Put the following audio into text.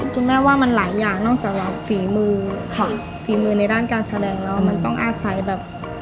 คุณแม่ว่ามันหลายอย่างนอกจากฝีมือค่ะฝีมือในด้านการแสดงแล้วมันต้องอาศัยแบบ